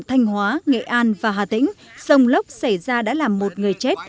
thanh hóa nghệ an và hà tĩnh rông lốc xảy ra đã làm một người chết